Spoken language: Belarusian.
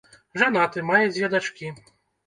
Жанаты, мае дзве дачкі.